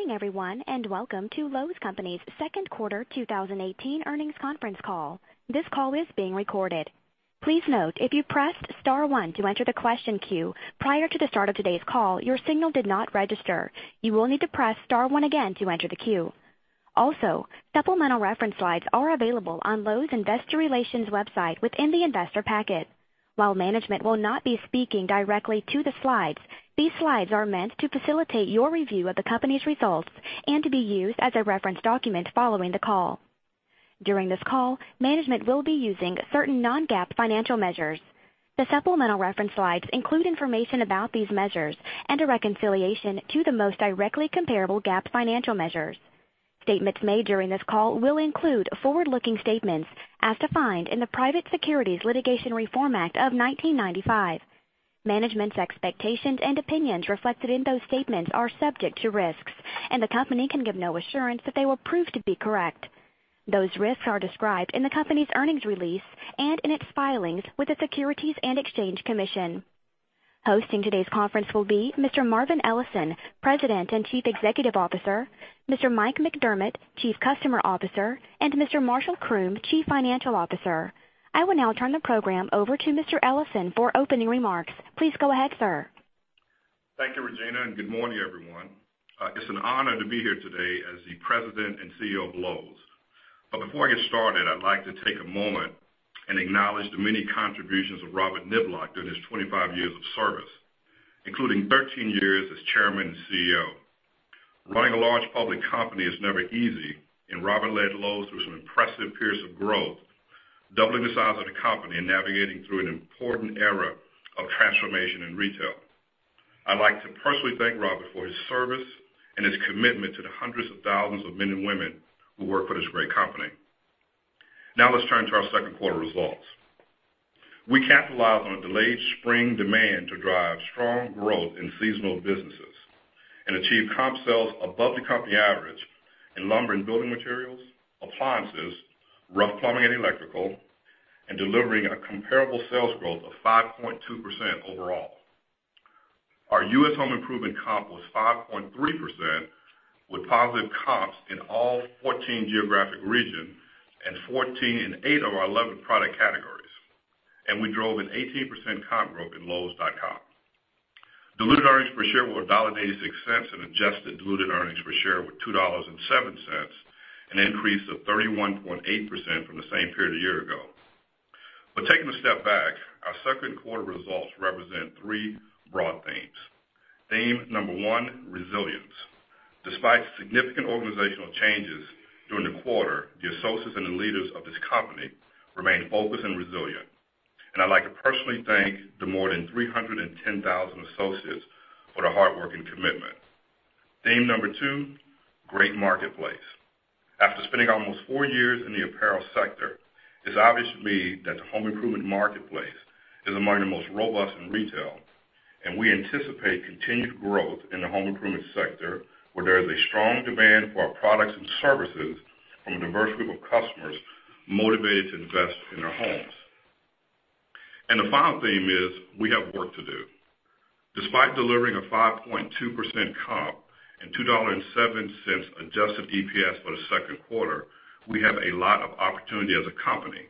Good morning, everyone, and welcome to Lowe's Companies' second quarter 2018 earnings conference call. This call is being recorded. Please note, if you pressed star one to enter the question queue prior to the start of today's call, your signal did not register. You will need to press star one again to enter the queue. Also, supplemental reference slides are available on Lowe's Investor Relations website within the investor packet. While management will not be speaking directly to the slides, these slides are meant to facilitate your review of the company's results and to be used as a reference document following the call. During this call, management will be using certain non-GAAP financial measures. The supplemental reference slides include information about these measures and a reconciliation to the most directly comparable GAAP financial measures. Statements made during this call will include forward-looking statements as defined in the Private Securities Litigation Reform Act of 1995. Management's expectations and opinions reflected in those statements are subject to risks. The company can give no assurance that they will prove to be correct. Those risks are described in the company's earnings release and in its filings with the Securities and Exchange Commission. Hosting today's conference will be Mr. Marvin Ellison, President and Chief Executive Officer, Mr. Mike McDermott, Chief Customer Officer, and Mr. Marshall Croom, Chief Financial Officer. I will now turn the program over to Mr. Ellison for opening remarks. Please go ahead, sir. Thank you, Regina. Good morning, everyone. It's an honor to be here today as the President and CEO of Lowe's. Before I get started, I'd like to take a moment and acknowledge the many contributions of Robert Niblock during his 25 years of service, including 13 years as Chairman and CEO. Running a large public company is never easy. Robert led Lowe's through some impressive periods of growth, doubling the size of the company and navigating through an important era of transformation in retail. I'd like to personally thank Robert for his service and his commitment to the hundreds of thousands of men and women who work for this great company. Let's turn to our second quarter results. We capitalized on a delayed spring demand to drive strong growth in seasonal businesses and achieve comp sales above the company average in lumber and building materials, appliances, rough plumbing and electrical, and delivering a comparable sales growth of 5.2% overall. Our U.S. home improvement comp was 5.3%, with positive comps in all 14 geographic regions and 8 of our 11 product categories. We drove an 18% comp growth in lowes.com. Diluted earnings per share were $1.86 and adjusted diluted earnings per share were $2.07, an increase of 31.8% from the same period a year ago. Taking a step back, our second quarter results represent three broad themes. Theme 1, resilience. Despite significant organizational changes during the quarter, the associates and the leaders of this company remained focused and resilient. I'd like to personally thank the more than 310,000 associates for their hard work and commitment. Theme number 2, great marketplace. After spending almost four years in the apparel sector, it's obvious to me that the home improvement marketplace is among the most robust in retail, we anticipate continued growth in the home improvement sector, where there is a strong demand for our products and services from a diverse group of customers motivated to invest in their homes. The final theme is, we have work to do. Despite delivering a 5.2% comp and $2.07 adjusted EPS for the second quarter, we have a lot of opportunity as a company.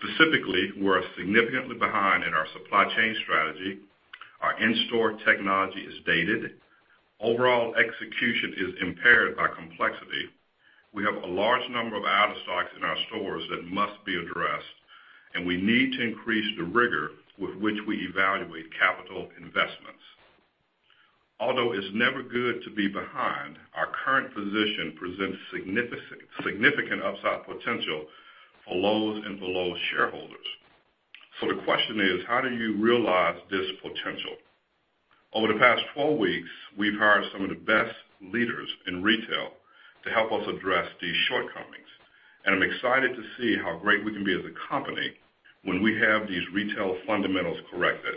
Specifically, we're significantly behind in our supply chain strategy, our in-store technology is dated, overall execution is impaired by complexity, we have a large number of out-of-stocks in our stores that must be addressed, we need to increase the rigor with which we evaluate capital investments. Although it's never good to be behind, our current position presents significant upside potential for Lowe's and for Lowe's shareholders. The question is: how do you realize this potential? Over the past 12 weeks, we've hired some of the best leaders in retail to help us address these shortcomings, I'm excited to see how great we can be as a company when we have these retail fundamentals corrected.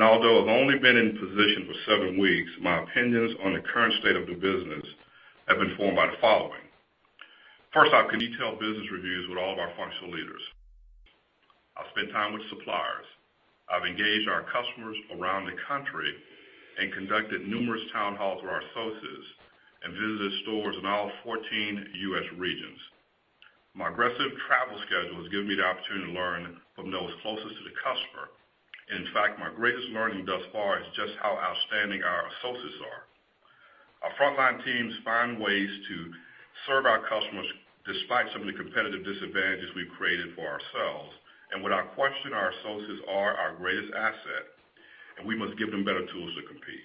Although I've only been in position for seven weeks, my opinions on the current state of the business have been formed by the following. First, I've done detailed business reviews with all of our functional leaders. I've spent time with suppliers. I've engaged our customers around the country and conducted numerous town halls with our associates and visited stores in all 14 U.S. regions. My aggressive travel schedule has given me the opportunity to learn from those closest to the customer. In fact, my greatest learning thus far is just how outstanding our associates are. Our frontline teams find ways to serve our customers despite some of the competitive disadvantages we've created for ourselves. Without question, our associates are our greatest asset, we must give them better tools to compete.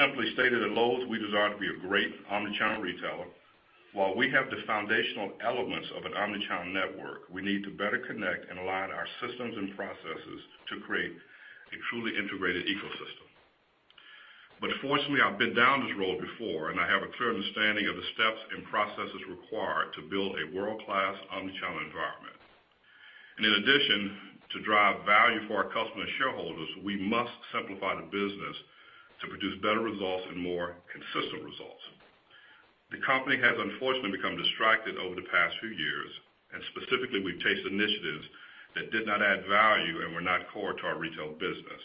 Simply stated, at Lowe's, we desire to be a great omnichannel retailer. While we have the foundational elements of an omnichannel network, we need to better connect and align our systems and processes to create a truly integrated ecosystem. Fortunately, I've been down this road before, I have a clear understanding of the steps and processes required to build a world-class omnichannel environment. In addition, to drive value for our customers' shareholders, we must simplify the business to produce better results and more consistent results The company has unfortunately become distracted over the past few years, specifically, we've chased initiatives that did not add value and were not core to our retail business.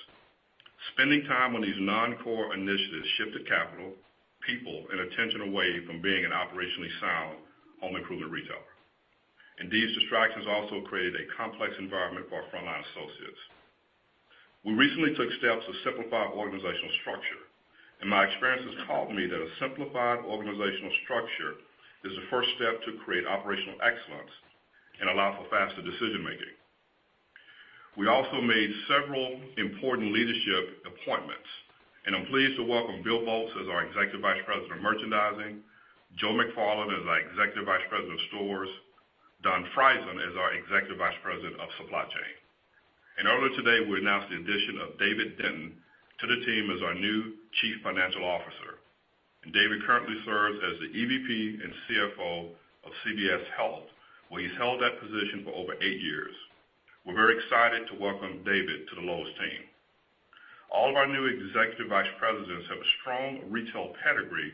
Spending time on these non-core initiatives shifted capital, people, and attention away from being an operationally sound home improvement retailer. These distractions also created a complex environment for our frontline associates. We recently took steps to simplify our organizational structure, my experience has taught me that a simplified organizational structure is the first step to create operational excellence and allow for faster decision-making. We also made several important leadership appointments. I'm pleased to welcome Bill Boltz as our Executive Vice President of Merchandising, Joe McFarland as our Executive Vice President of Stores, Don Frieson as our Executive Vice President of Supply Chain. Earlier today, we announced the addition of David Denton to the team as our new Chief Financial Officer. David currently serves as the EVP and CFO of CVS Health, where he's held that position for over eight years. We're very excited to welcome David to the Lowe's team. All of our new Executive Vice Presidents have a strong retail pedigree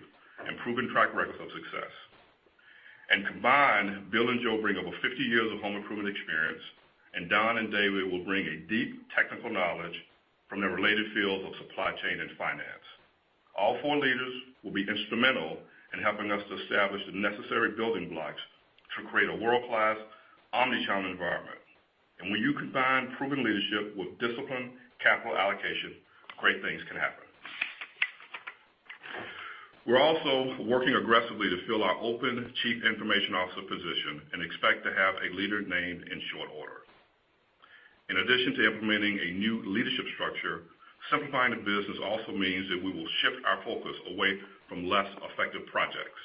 and proven track records of success. Combined, Bill and Joe bring over 50 years of home improvement experience, and Don and David will bring a deep technical knowledge from their related fields of supply chain and finance. All four leaders will be instrumental in helping us to establish the necessary building blocks to create a world-class omnichannel environment. When you combine proven leadership with disciplined capital allocation, great things can happen. We're also working aggressively to fill our open Chief Information Officer position and expect to have a leader named in short order. In addition to implementing a new leadership structure, simplifying the business also means that we will shift our focus away from less effective projects.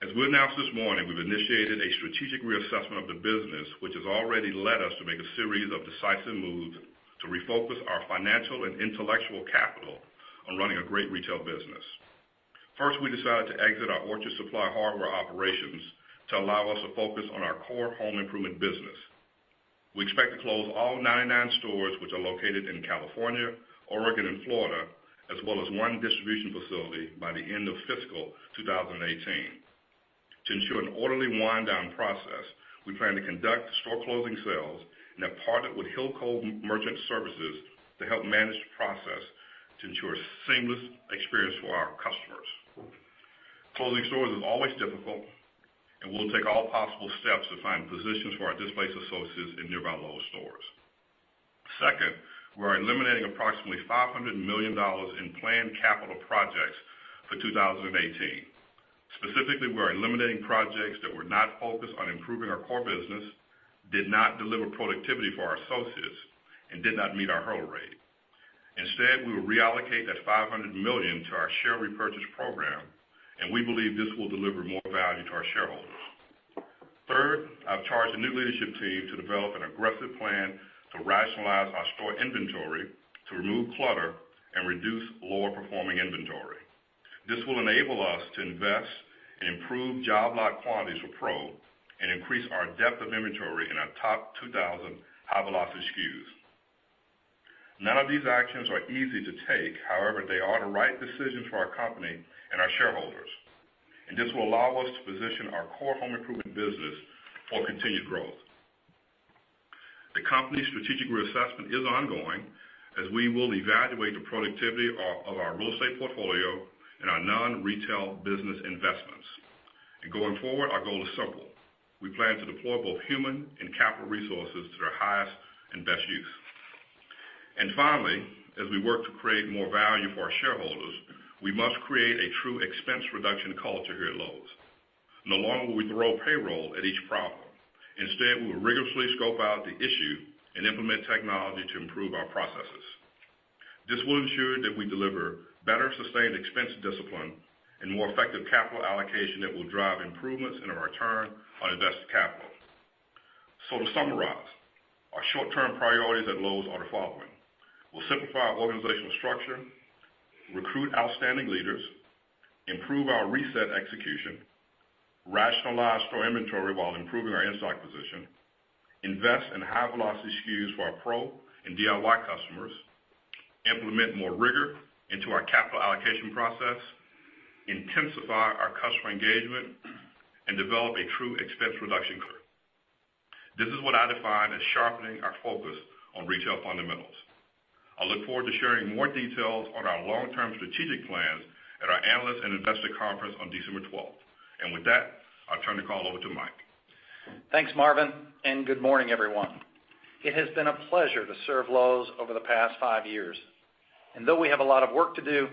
As we announced this morning, we've initiated a strategic reassessment of the business, which has already led us to make a series of decisive moves to refocus our financial and intellectual capital on running a great retail business. First, we decided to exit our Orchard Supply Hardware operations to allow us to focus on our core home improvement business. We expect to close all 99 stores, which are located in California, Oregon, and Florida, as well as one distribution facility by the end of fiscal 2018. To ensure an orderly wind-down process, we plan to conduct store closing sales and have partnered with Hilco Merchant Resources to help manage the process to ensure a seamless experience for our customers. Closing stores is always difficult. We'll take all possible steps to find positions for our displaced associates in nearby Lowe's stores. Second, we're eliminating approximately $500 million in planned capital projects for 2018. Specifically, we're eliminating projects that were not focused on improving our core business, did not deliver productivity for our associates, and did not meet our hurdle rate. Instead, we will reallocate that $500 million to our share repurchase program. We believe this will deliver more value to our shareholders. Third, I've charged the new leadership team to develop an aggressive plan to rationalize our store inventory to remove clutter and reduce lower-performing inventory. This will enable us to invest in improved job lot quantities with Pro and increase our depth of inventory in our top 2,000 high-velocity SKUs. None of these actions are easy to take. However, they are the right decision for our company and our shareholders. This will allow us to position our core home improvement business for continued growth. The company's strategic reassessment is ongoing, as we will evaluate the productivity of our real estate portfolio and our non-retail business investments. Going forward, our goal is simple. We plan to deploy both human and capital resources to their highest and best use. Finally, as we work to create more value for our shareholders, we must create a true expense reduction culture here at Lowe's. No longer will we throw payroll at each problem. Instead, we will rigorously scope out the issue and implement technology to improve our processes. This will ensure that we deliver better sustained expense discipline and more effective capital allocation that will drive improvements in our return on invested capital. To summarize, our short-term priorities at Lowe's are the following. We'll simplify our organizational structure, recruit outstanding leaders, improve our reset execution, rationalize store inventory while improving our inside position, invest in high-velocity SKUs for our Pro and DIY customers, implement more rigor into our capital allocation process, intensify our customer engagement, and develop a true expense reduction culture. This is what I define as sharpening our focus on retail fundamentals. I look forward to sharing more details on our long-term strategic plans at our Analyst and Investor Conference on December 12th. With that, I'll turn the call over to Mike. Thanks, Marvin, and good morning, everyone. It has been a pleasure to serve Lowe's over the past five years. Though we have a lot of work to do,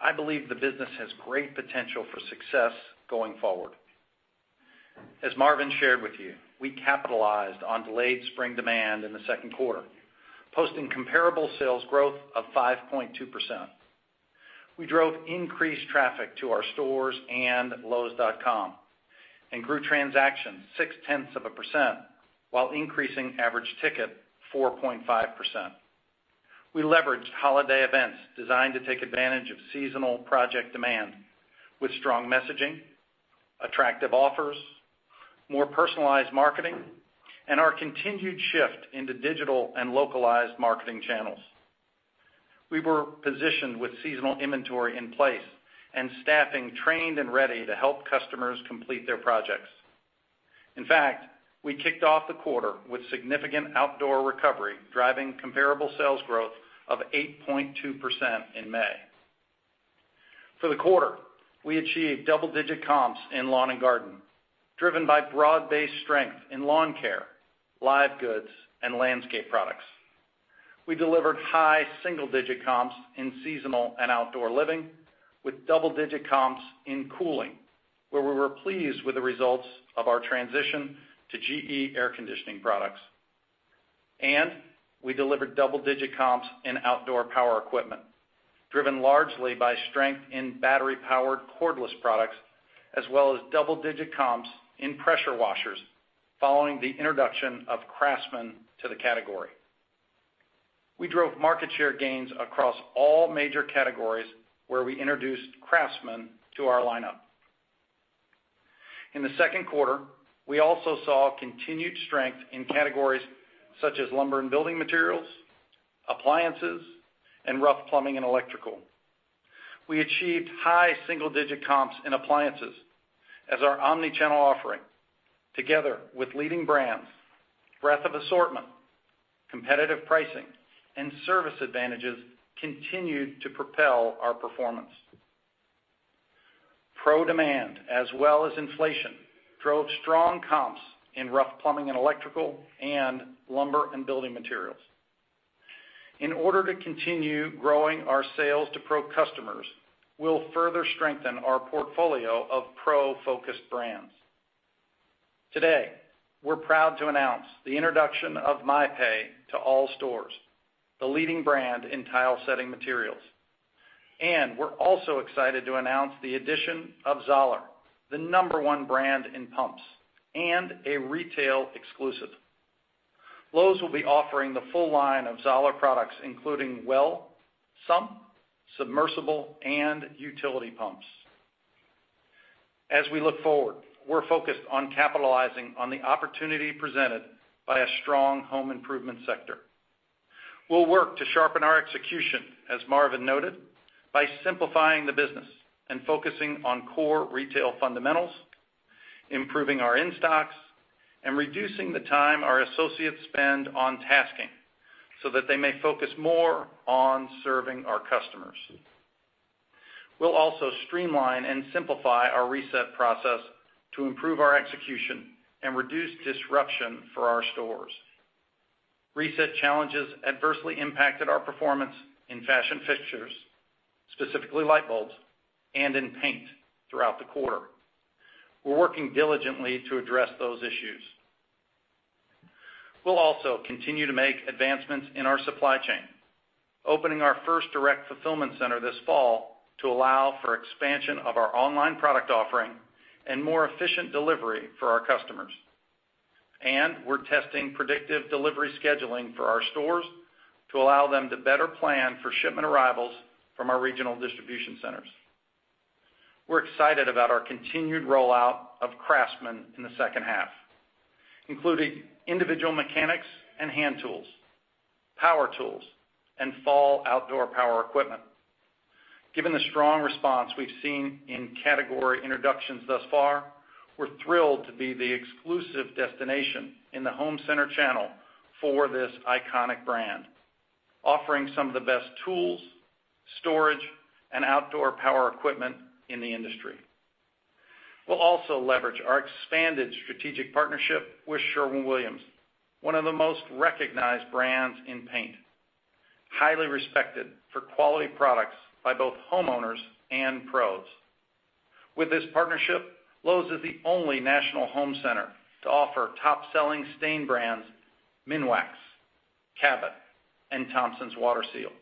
I believe the business has great potential for success going forward. As Marvin shared with you, we capitalized on delayed spring demand in the second quarter, posting comparable sales growth of 5.2%. We drove increased traffic to our stores and lowes.com and grew transactions six-tenths of a percent while increasing average ticket 4.5%. We leveraged holiday events designed to take advantage of seasonal project demand with strong messaging- attractive offers, more personalized marketing, and our continued shift into digital and localized marketing channels. We were positioned with seasonal inventory in place and staffing trained and ready to help customers complete their projects. In fact, we kicked off the quarter with significant outdoor recovery, driving comparable sales growth of 8.2% in May. For the quarter, we achieved double-digit comps in lawn and garden, driven by broad-based strength in lawn care, live goods, and landscape products. We delivered high single-digit comps in seasonal and outdoor living with double-digit comps in cooling, where we were pleased with the results of our transition to GE air conditioning products. We delivered double-digit comps in outdoor power equipment, driven largely by strength in battery powered cordless products, as well as double-digit comps in pressure washers following the introduction of Craftsman to the category. We drove market share gains across all major categories where we introduced Craftsman to our lineup. In the second quarter, we also saw continued strength in categories such as lumber and building materials, appliances, and rough plumbing and electrical. We achieved high single-digit comps in appliances as our omnichannel offering, together with leading brands, breadth of assortment, competitive pricing, and service advantages continued to propel our performance. Pro demand, as well as inflation, drove strong comps in rough plumbing and electrical and lumber and building materials. In order to continue growing our sales to pro customers, we'll further strengthen our portfolio of pro-focused brands. Today, we're proud to announce the introduction of Mapei to all stores, the leading brand in tile setting materials. We're also excited to announce the addition of Zoeller, the number 1 brand in pumps and a retail exclusive. Lowe's will be offering the full line of Zoeller products, including well, sump, submersible, and utility pumps. As we look forward, we're focused on capitalizing on the opportunity presented by a strong home improvement sector. We'll work to sharpen our execution, as Marvin noted, by simplifying the business and focusing on core retail fundamentals, improving our in-stocks, and reducing the time our associates spend on tasking so that they may focus more on serving our customers. We'll also streamline and simplify our reset process to improve our execution and reduce disruption for our stores. Reset challenges adversely impacted our performance in fashion fixtures, specifically light bulbs, and in paint throughout the quarter. We're working diligently to address those issues. We'll also continue to make advancements in our supply chain, opening our first direct fulfillment center this fall to allow for expansion of our online product offering and more efficient delivery for our customers. We're testing predictive delivery scheduling for our stores to allow them to better plan for shipment arrivals from our regional distribution centers. We're excited about our continued rollout of Craftsman in the second half, including individual mechanics and hand tools, power tools, and fall outdoor power equipment. Given the strong response we've seen in category introductions thus far, we're thrilled to be the exclusive destination in the home center channel for this iconic brand, offering some of the best tools, storage, and outdoor power equipment in the industry. We'll also leverage our expanded strategic partnership with Sherwin-Williams, one of the most recognized brands in paint, highly respected for quality products by both homeowners and pros. With this partnership, Lowe's is the only national home center to offer top-selling stain brands Minwax, Cabot, and Thompson's WaterSeal.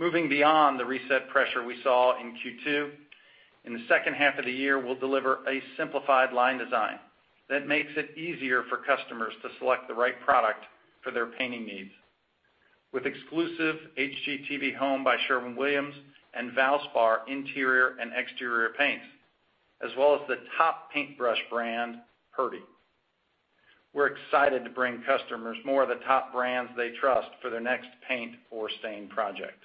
Moving beyond the reset pressure we saw in Q2, in the second half of the year, we'll deliver a simplified line design that makes it easier for customers to select the right product for their painting needs. With exclusive HGTV HOME by Sherwin-Williams and Valspar interior and exterior paints, as well as the top paintbrush brand, Purdy. We're excited to bring customers more of the top brands they trust for their next paint or stain project.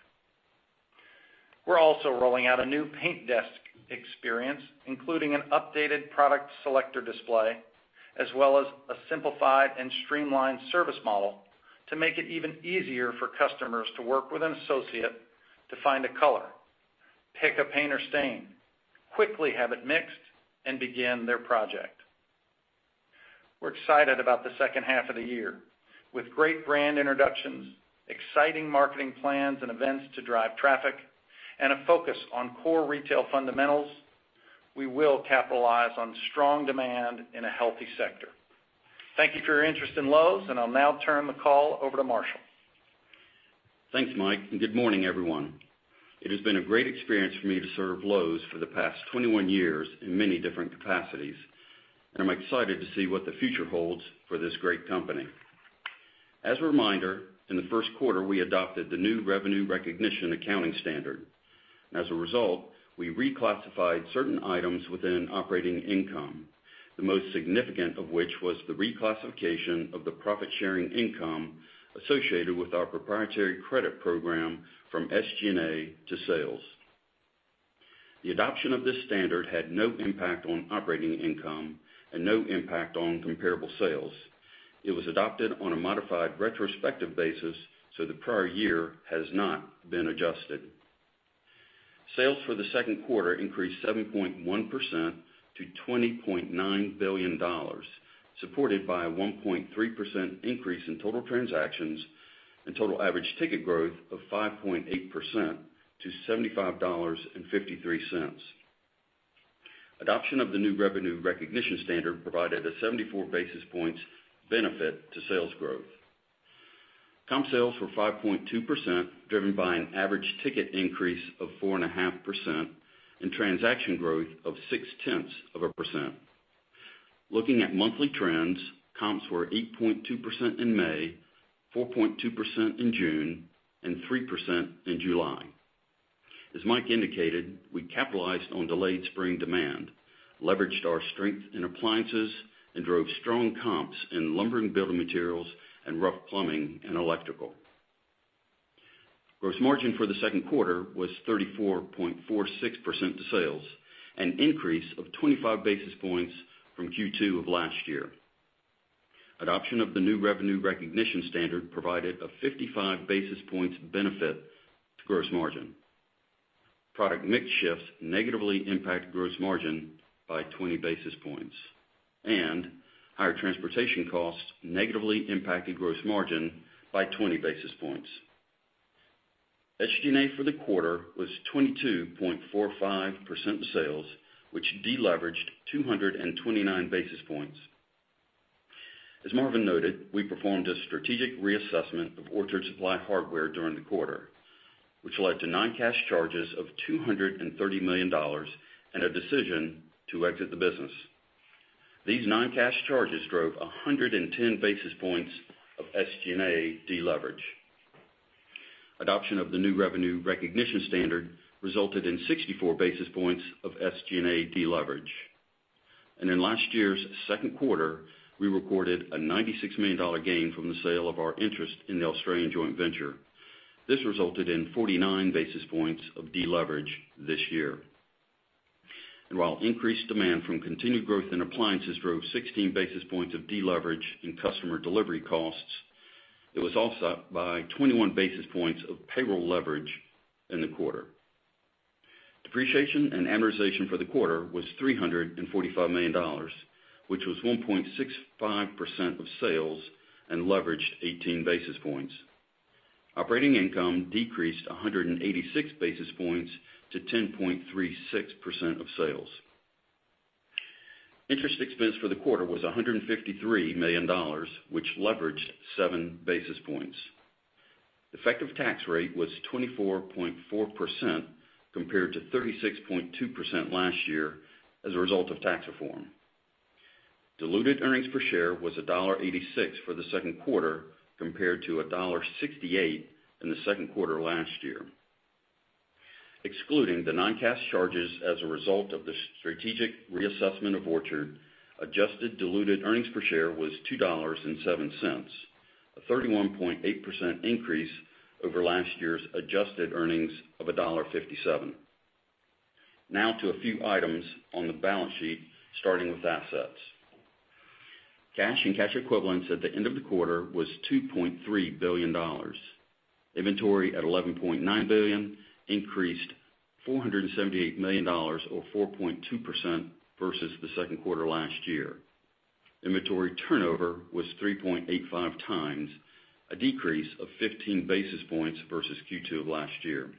We're also rolling out a new paint desk experience, including an updated product selector display, as well as a simplified and streamlined service model to make it even easier for customers to work with an associate to find a color, pick a paint or stain, quickly have it mixed, and begin their project. We're excited about the second half of the year. With great brand introductions, exciting marketing plans and events to drive traffic, and a focus on core retail fundamentals, we will capitalize on strong demand in a healthy sector. Thank you for your interest in Lowe's, and I'll now turn the call over to Marshall. Thanks, Mike, and good morning, everyone. It has been a great experience for me to serve Lowe's for the past 21 years in many different capacities, and I'm excited to see what the future holds for this great company. As a reminder, in the first quarter, we adopted the new revenue recognition accounting standard. As a result, we reclassified certain items within operating income, the most significant of which was the reclassification of the profit-sharing income associated with our proprietary credit program from SG&A to sales. The adoption of this standard had no impact on operating income and no impact on comparable sales. It was adopted on a modified retrospective basis, so the prior year has not been adjusted. Sales for the second quarter increased 7.1% to $20.9 billion, supported by a 1.3% increase in total transactions and total average ticket growth of 5.8% to $75.53. Adoption of the new revenue recognition standard provided a 74 basis points benefit to sales growth. Comp sales were 5.2%, driven by an average ticket increase of 4.5% and transaction growth of 6 tenths of a percent. Looking at monthly trends, comps were 8.2% in May, 4.2% in June, and 3% in July. As Mike indicated, we capitalized on delayed spring demand, leveraged our strength in appliances, and drove strong comps in lumber and building materials and rough plumbing and electrical. Gross margin for the second quarter was 34.46% to sales, an increase of 25 basis points from Q2 of last year. Adoption of the new revenue recognition standard provided a 55 basis points benefit to gross margin. Product mix shifts negatively impact gross margin by 20 basis points. Higher transportation costs negatively impacted gross margin by 20 basis points. SG&A for the quarter was 22.45% of sales, which deleveraged 229 basis points. As Marvin noted, we performed a strategic reassessment of Orchard Supply Hardware during the quarter, which led to non-cash charges of $230 million and a decision to exit the business. These non-cash charges drove 110 basis points of SG&A deleverage. Adoption of the new revenue recognition standard resulted in 64 basis points of SG&A deleverage. In last year's second quarter, we recorded a $96 million gain from the sale of our interest in the Australian joint venture. This resulted in 49 basis points of deleverage this year. While increased demand from continued growth in appliances drove 16 basis points of deleverage in customer delivery costs, it was offset by 21 basis points of payroll leverage in the quarter. Depreciation and amortization for the quarter was $345 million, which was 1.65% of sales and leveraged 18 basis points. Operating income decreased 186 basis points to 10.36% of sales. Interest expense for the quarter was $153 million, which leveraged seven basis points. Effective tax rate was 24.4% compared to 36.2% last year as a result of tax reform. Diluted earnings per share was $1.86 for the second quarter, compared to $1.68 in the second quarter last year. Excluding the non-cash charges as a result of the strategic reassessment of Orchard, adjusted diluted earnings per share was $2.07, a 31.8% increase over last year's adjusted earnings of $1.57. Now to a few items on the balance sheet, starting with assets. Cash and cash equivalents at the end of the quarter was $2.3 billion. Inventory at $11.9 billion increased $478 million or 4.2% versus the second quarter last year. Inventory turnover was 3.85 times, a decrease of 15 basis points versus Q2 of last year.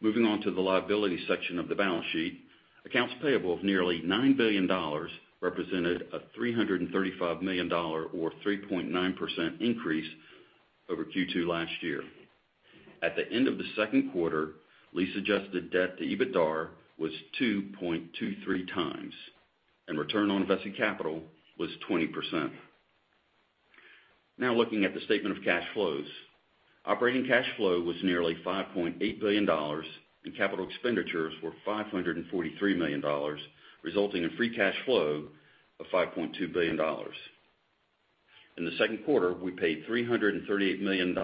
Moving on to the liability section of the balance sheet. Accounts payable of nearly $9 billion represented a $335 million or 3.9% increase over Q2 last year. At the end of the second quarter, lease-adjusted debt to EBITDAR was 2.23 times, and return on invested capital was 20%. Looking at the statement of cash flows. Operating cash flow was nearly $5.8 billion. Capital expenditures were $543 million, resulting in free cash flow of $5.2 billion. In the second quarter, we paid $338 million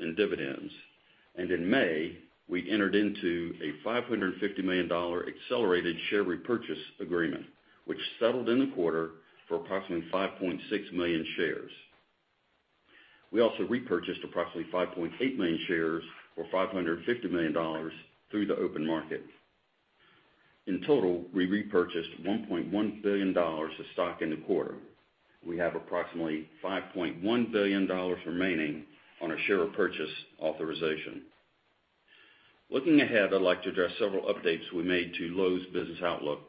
in dividends. In May, we entered into a $550 million accelerated share repurchase agreement, which settled in the quarter for approximately 5.6 million shares. We also repurchased approximately 5.8 million shares or $550 million through the open market. In total, we repurchased $1.1 billion of stock in the quarter. We have approximately $5.1 billion remaining on our share repurchase authorization. Looking ahead, I'd like to address several updates we made to Lowe's business outlook.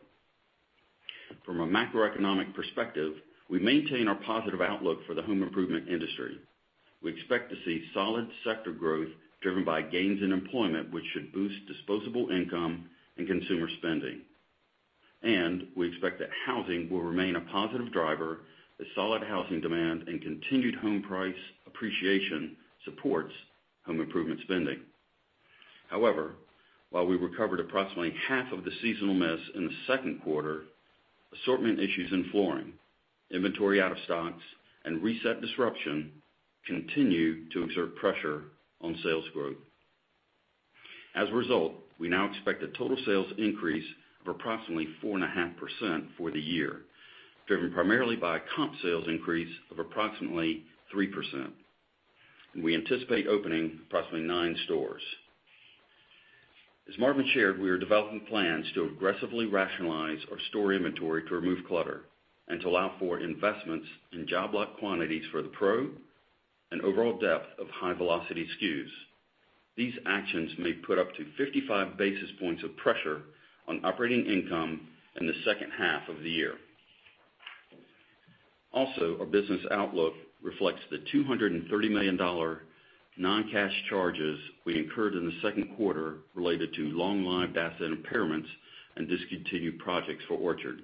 From a macroeconomic perspective, we maintain our positive outlook for the home improvement industry. We expect to see solid sector growth driven by gains in employment, which should boost disposable income and consumer spending. We expect that housing will remain a positive driver as solid housing demand and continued home price appreciation supports home improvement spending. However, while we recovered approximately half of the seasonal miss in the second quarter, assortment issues in flooring, inventory out of stocks, and reset disruption continued to exert pressure on sales growth. As a result, we now expect a total sales increase of approximately 4.5% for the year, driven primarily by comp sales increase of approximately 3%. We anticipate opening approximately nine stores. As Marvin shared, we are developing plans to aggressively rationalize our store inventory to remove clutter and to allow for investments in job lot quantities for the pro and overall depth of high-velocity SKUs. These actions may put up to 55 basis points of pressure on operating income in the second half of the year. Our business outlook reflects the $230 million non-cash charges we incurred in the second quarter related to long-lived asset impairments and discontinued projects for Orchard,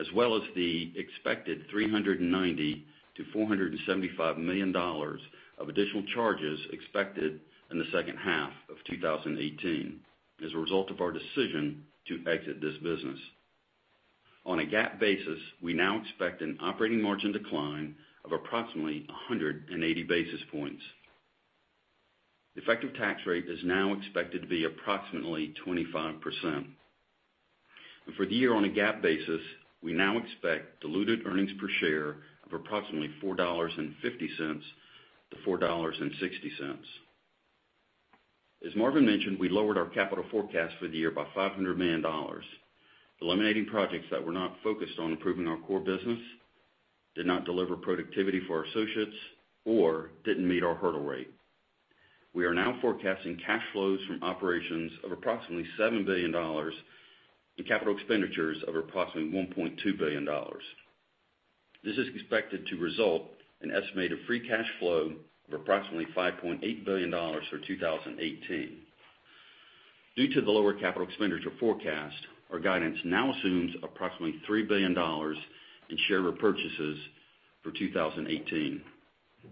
as well as the expected $390 million-$475 million of additional charges expected in the second half of 2018 as a result of our decision to exit this business. On a GAAP basis, we now expect an operating margin decline of approximately 180 basis points. The effective tax rate is now expected to be approximately 25%. For the year on a GAAP basis, we now expect diluted earnings per share of approximately $4.50-$4.60. As Marvin mentioned, we lowered our capital forecast for the year by $500 million, eliminating projects that were not focused on improving our core business, did not deliver productivity for our associates, or didn't meet our hurdle rate. We are now forecasting cash flows from operations of approximately $7 billion and capital expenditures of approximately $1.2 billion. This is expected to result in estimated free cash flow of approximately $5.8 billion for 2018. Due to the lower capital expenditure forecast, our guidance now assumes approximately $3 billion in share repurchases for 2018.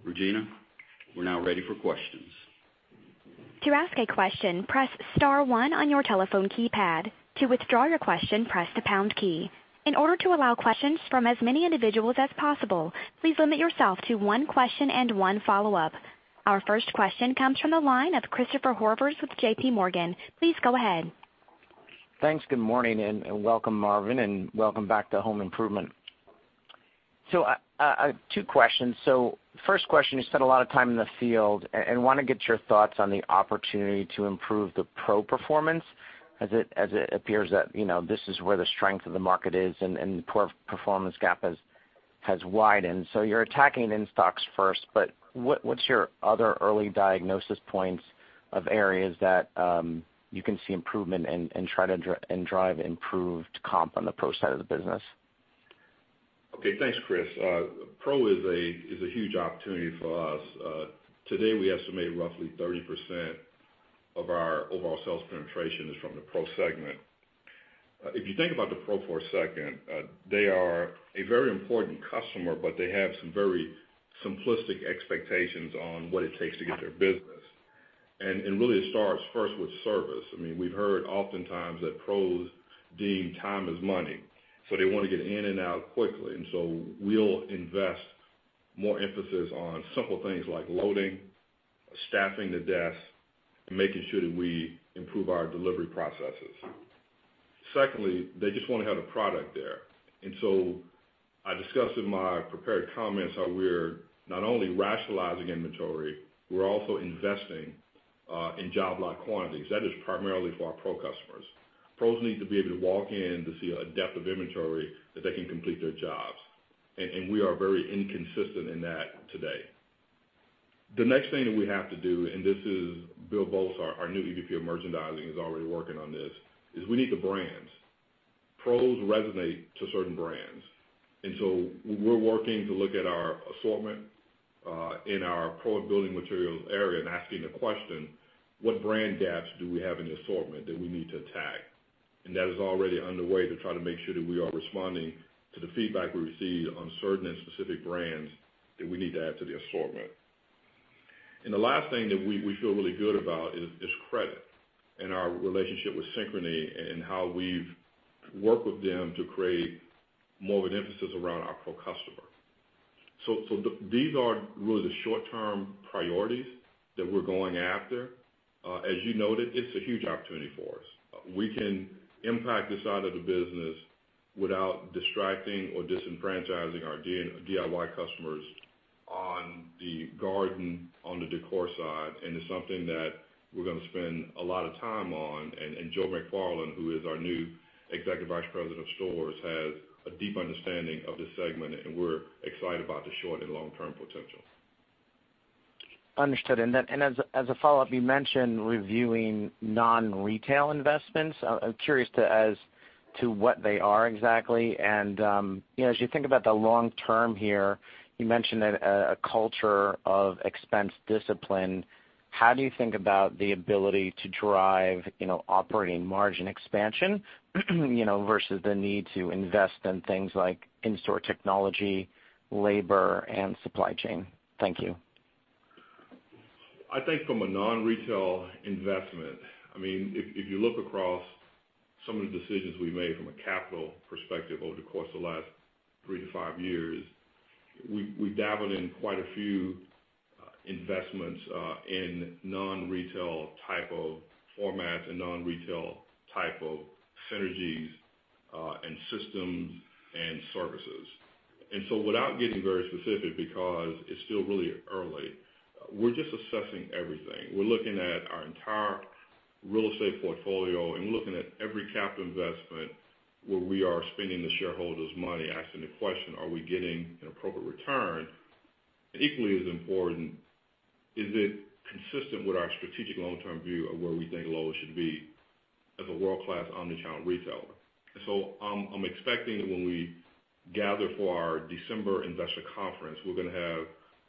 Regina, we're now ready for questions. To ask a question, press *1 on your telephone keypad. To withdraw your question, press the # key. In order to allow questions from as many individuals as possible, please limit yourself to one question and one follow-up. Our first question comes from the line of Christopher Horvers with JPMorgan. Please go ahead. Thanks. Good morning, and welcome, Marvin, and welcome back to Home Improvement. Two questions. First question, you spent a lot of time in the field and want to get your thoughts on the opportunity to improve the pro performance as it appears that this is where the strength of the market is and the poor performance gap has widened. You're attacking in-stocks first, but what's your other early diagnosis points of areas that you can see improvement and try to drive improved comp on the pro side of the business? Okay. Thanks, Chris. Pro is a huge opportunity for us. Today, we estimate roughly 30% of our overall sales penetration is from the pro segment. If you think about the pro for a second, they are a very important customer, but they have some very simplistic expectations on what it takes to get their business. Really it starts first with service. We've heard oftentimes that pros deem time is money, so they want to get in and out quickly. We'll invest more emphasis on simple things like loading, staffing the desk, and making sure that we improve our delivery processes. Secondly, they just want to have the product there. I discussed in my prepared comments how we're not only rationalizing inventory, we're also investing in job lot quantities. That is primarily for our pro customers. Pros need to be able to walk in to see a depth of inventory that they can complete their jobs. We are very inconsistent in that today. The next thing that we have to do, this is Bill Boltz, our new EVP of Merchandising, is already working on this, is we need the brands. Pros resonate to certain brands. We're working to look at our assortment in our pro building materials area and asking the question, what brand gaps do we have in the assortment that we need to attack? That is already underway to try to make sure that we are responding to the feedback we receive on certain and specific brands that we need to add to the assortment. The last thing that we feel really good about is credit and our relationship with Synchrony and how we've worked with them to create more of an emphasis around our pro customer. These are really the short-term priorities that we're going after. As you noted, it's a huge opportunity for us. We can impact this side of the business without distracting or disenfranchising our DIY customers on the garden, on the decor side. It's something that we're going to spend a lot of time on. Joe McFarland, who is our new Executive Vice President of Stores, has a deep understanding of this segment, and we're excited about the short and long-term potential. Understood. As a follow-up, you mentioned reviewing non-retail investments. I'm curious as to what they are exactly. As you think about the long term here, you mentioned a culture of expense discipline. How do you think about the ability to drive operating margin expansion versus the need to invest in things like in-store technology, labor, and supply chain? Thank you. I think from a non-retail investment, if you look across some of the decisions we've made from a capital perspective over the course of the last three to five years, we dabbled in quite a few investments in non-retail type of formats and non-retail type of synergies and systems and services. Without getting very specific, because it's still really early, we're just assessing everything. We're looking at our entire real estate portfolio and looking at every capital investment where we are spending the shareholders' money, asking the question, are we getting an appropriate return? Equally as important, is it consistent with our strategic long-term view of where we think Lowe's should be as a world-class omnichannel retailer? I'm expecting when we gather for our December investor conference, we're going to have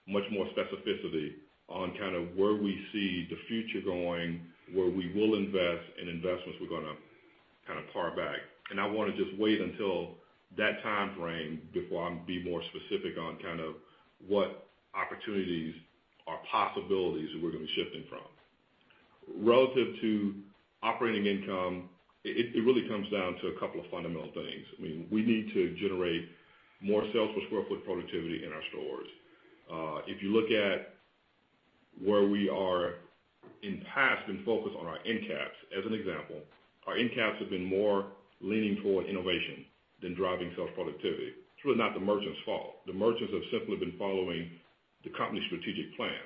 much more specificity on where we see the future going, where we will invest, and investments we're going to pare back. I want to just wait until that timeframe before I'm be more specific on what opportunities or possibilities we're going to be shifting from. Relative to operating income, it really comes down to a couple of fundamental things. We need to generate more sales per square foot productivity in our stores. If you look at where we are in the past, been focused on our NCAP, as an example, our NCAPs have been more leaning toward innovation than driving sales productivity. It's really not the merchants' fault. The merchants have simply been following the company's strategic plan.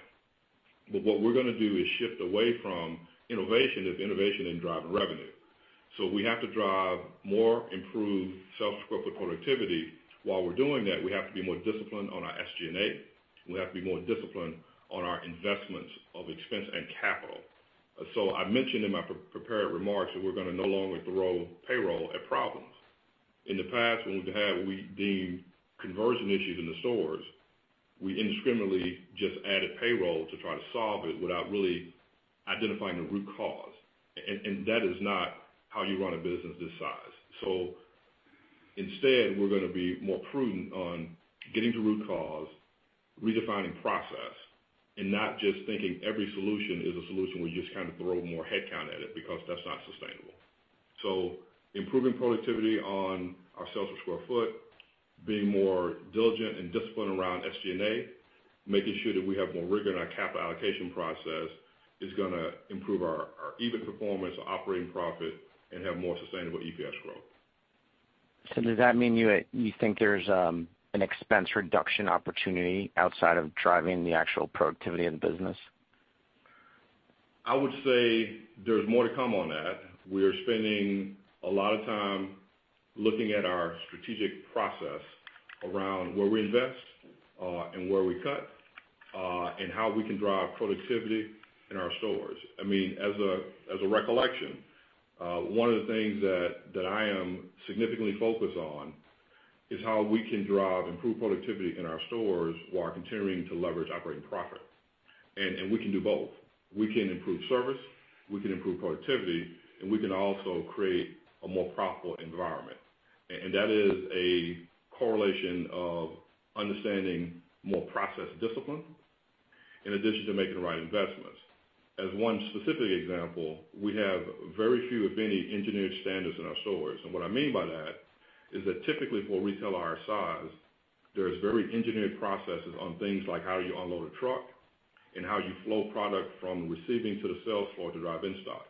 What we're going to do is shift away from innovation, if innovation isn't driving revenue. We have to drive more improved sales per square foot productivity. While we're doing that, we have to be more disciplined on our SG&A. We have to be more disciplined on our investments of expense and capital. I mentioned in my prepared remarks that we're going to no longer throw payroll at problems. In the past, when we've had what we deemed conversion issues in the stores, we indiscriminately just added payroll to try to solve it without really identifying the root cause. That is not how you run a business this size. Instead, we're going to be more prudent on getting to root cause, redefining process, and not just thinking every solution is a solution where you just kind of throw more headcount at it, because that's not sustainable. Improving productivity on our sales per square foot, being more diligent and disciplined around SG&A, making sure that we have more rigor in our capital allocation process, is going to improve our EBIT performance, operating profit, and have more sustainable EPS growth. Does that mean you think there's an expense reduction opportunity outside of driving the actual productivity in the business? I would say there's more to come on that. We are spending a lot of time looking at our strategic process around where we invest and where we cut, and how we can drive productivity in our stores. As a recollection, one of the things that I am significantly focused on is how we can drive improved productivity in our stores while continuing to leverage operating profit. We can do both. We can improve service, we can improve productivity, and we can also create a more profitable environment. That is a correlation of understanding more process discipline in addition to making the right investments. As one specific example, we have very few, if any, engineered standards in our stores. What I mean by that is that typically for a retailer our size, there is very engineered processes on things like how you unload a truck and how you flow product from receiving to the sales floor to drive in-stock.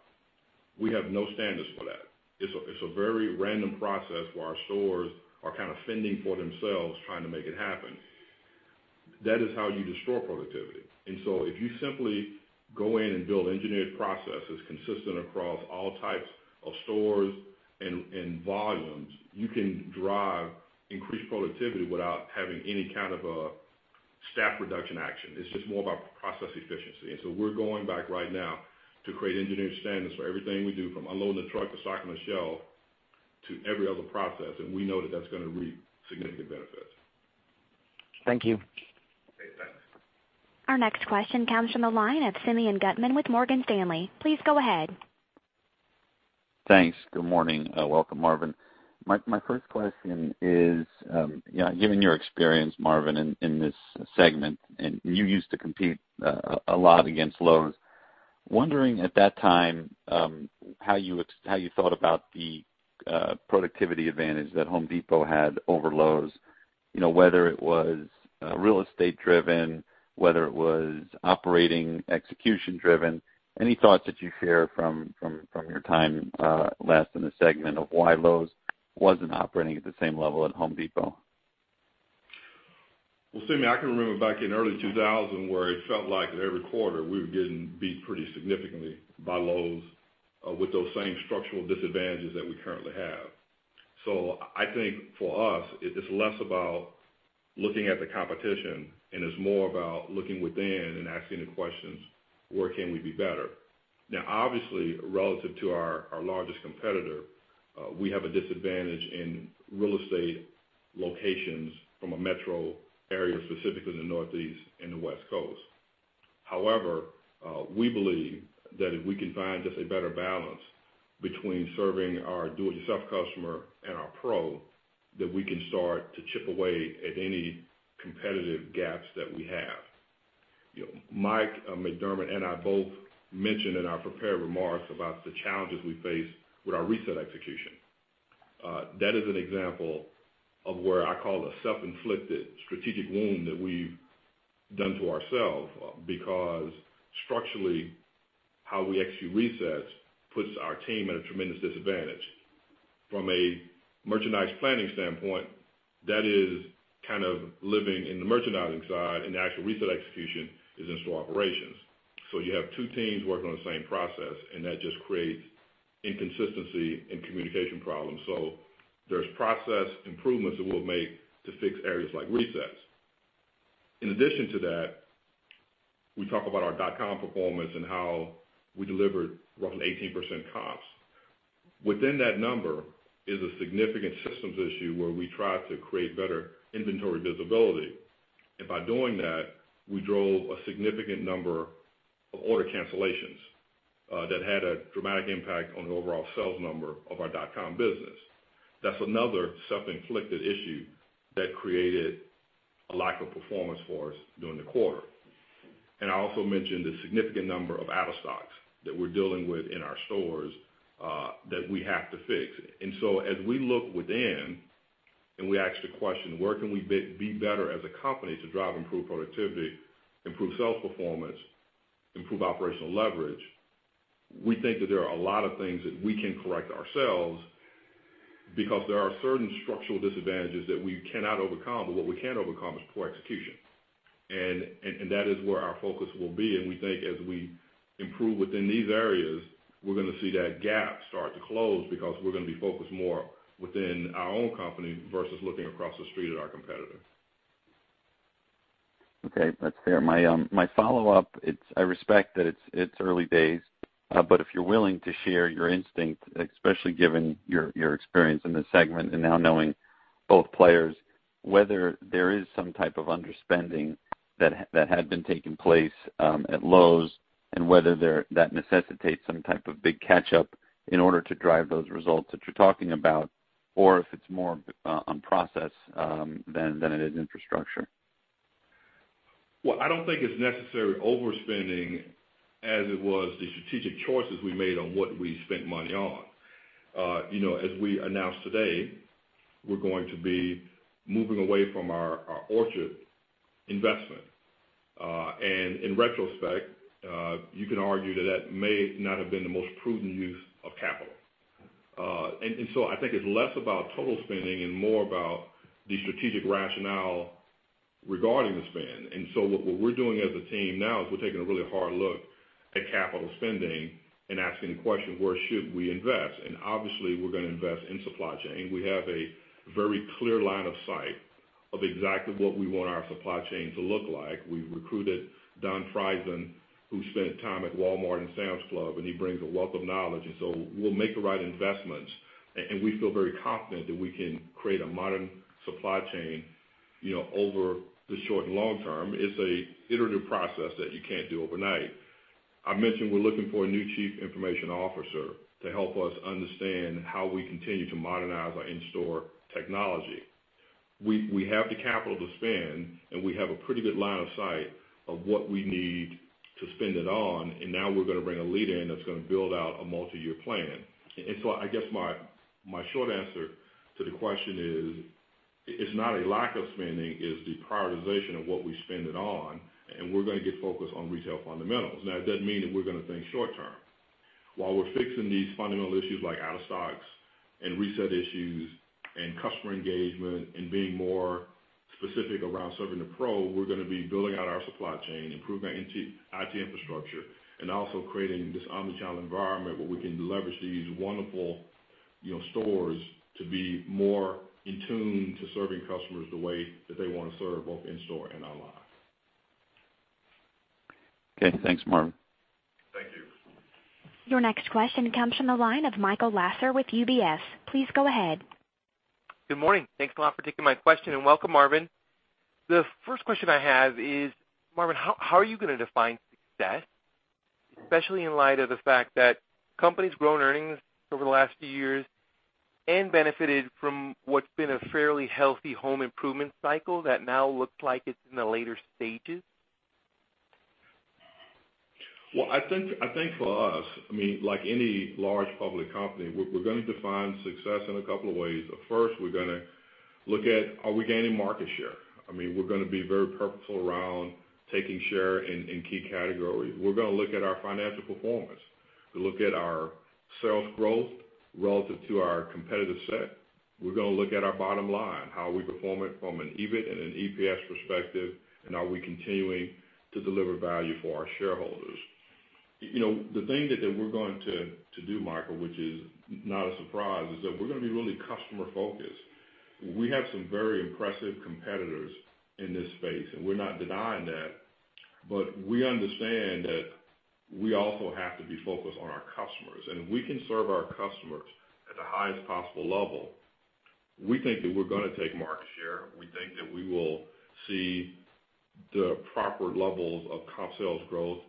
We have no standards for that. It's a very random process where our stores are kind of fending for themselves trying to make it happen. That is how you destroy productivity. If you simply go in and build engineered processes consistent across all types of stores and volumes, you can drive increased productivity without having any kind of a staff reduction action. It's just more about process efficiency. We're going back right now to create engineered standards for everything we do, from unloading the truck to stocking the shelf to every other process, and we know that that's going to reap significant benefits. Thank you. Okay, thanks. Our next question comes from the line of Simeon Gutman with Morgan Stanley. Please go ahead. Thanks. Good morning. Welcome, Marvin. My first question is, given your experience, Marvin, in this segment, and you used to compete a lot against Lowe's, wondering at that time, how you thought about the productivity advantage that The Home Depot had over Lowe's, whether it was real estate driven, whether it was operating execution driven. Any thoughts that you'd share from your time last in the segment of why Lowe's wasn't operating at the same level as The Home Depot? Well, Simeon, I can remember back in early 2000 where it felt like every quarter we were getting beat pretty significantly by Lowe's with those same structural disadvantages that we currently have. I think for us, it's less about looking at the competition and it's more about looking within and asking the questions, where can we be better? Now obviously, relative to our largest competitor, we have a disadvantage in real estate locations from a metro area, specifically in the Northeast and the West Coast. However, we believe that if we can find just a better balance between serving our do-it-yourself customer and our pro, that we can start to chip away at any competitive gaps that we have. Mike McDermott and I both mentioned in our prepared remarks about the challenges we face with our reset execution. That is an example of where I call a self-inflicted strategic wound that we've done to ourselves because structurally, how we execute resets puts our team at a tremendous disadvantage. From a merchandise planning standpoint, that is living in the merchandising side, and the actual reset execution is in store operations. You have two teams working on the same process, and that just creates inconsistency and communication problems. There's process improvements that we'll make to fix areas like resets. In addition to that, we talk about our lowes.com performance and how we delivered roughly 18% comps. Within that number is a significant systems issue where we tried to create better inventory visibility. By doing that, we drove a significant number of order cancellations that had a dramatic impact on the overall sales number of our lowes.com business. That's another self-inflicted issue that created a lack of performance for us during the quarter. I also mentioned the significant number of out-of-stocks that we're dealing with in our stores that we have to fix. As we look within and we ask the question, where can we be better as a company to drive improved productivity, improve sales performance, improve operational leverage, we think that there are a lot of things that we can correct ourselves because there are certain structural disadvantages that we cannot overcome. What we can overcome is poor execution, and that is where our focus will be. We think as we improve within these areas, we're going to see that gap start to close because we're going to be focused more within our own company versus looking across the street at our competitor. Okay. That's fair. My follow-up, I respect that it's early days, but if you're willing to share your instinct, especially given your experience in this segment and now knowing both players, whether there is some type of underspending that had been taking place at Lowe's and whether that necessitates some type of big catch-up in order to drive those results that you're talking about, or if it's more on process than it is infrastructure. Well, I don't think it's necessarily overspending as it was the strategic choices we made on what we spent money on. As we announced today, we're going to be moving away from our Orchard investment. In retrospect, you can argue that that may not have been the most prudent use of capital. I think it's less about total spending and more about the strategic rationale regarding the spend. What we're doing as a team now is we're taking a really hard look at capital spending and asking the question, where should we invest? Obviously, we're going to invest in supply chain. We have a very clear line of sight of exactly what we want our supply chain to look like. We've recruited Don Frieson, who spent time at Walmart and Sam's Club, and he brings a wealth of knowledge. We'll make the right investments, and we feel very confident that we can create a modern supply chain over the short and long term. It's an iterative process that you can't do overnight. I mentioned we're looking for a new chief information officer to help us understand how we continue to modernize our in-store technology. We have the capital to spend, and we have a pretty good line of sight of what we need to spend it on. Now we're going to bring a leader in that's going to build out a multi-year plan. I guess my short answer to the question is, it's not a lack of spending, it's the prioritization of what we spend it on, and we're going to get focused on retail fundamentals. Now, that doesn't mean that we're going to think short term. While we're fixing these fundamental issues like out-of-stocks and reset issues and customer engagement and being more specific around serving the pro, we're going to be building out our supply chain, improving our IT infrastructure, and also creating this omnichannel environment where we can leverage these wonderful stores to be more in tune to serving customers the way that they want to serve both in store and online. Okay. Thanks, Marvin. Thank you. Your next question comes from the line of Michael Lasser with UBS. Please go ahead. Good morning. Thanks a lot for taking my question, and welcome, Marvin. The first question I have is, Marvin, how are you going to define success, especially in light of the fact that company's grown earnings over the last few years and benefited from what's been a fairly healthy home improvement cycle that now looks like it's in the later stages? Well, I think for us, like any large public company, we're going to define success in a couple of ways. First, we're going to look at, are we gaining market share? We're going to be very purposeful around taking share in key categories. We're going to look at our financial performance. We'll look at our sales growth relative to our competitive set. We're going to look at our bottom line, how are we performing from an EBIT and an EPS perspective, and are we continuing to deliver value for our shareholders? The thing that we're going to do, Michael, which is not a surprise, is that we're going to be really customer-focused. We have some very impressive competitors in this space. We're not denying that. We understand that we also have to be focused on our customers, and if we can serve our customers at the highest possible level, we think that we're going to take market share. We think that we will see the proper levels of comp sales growth,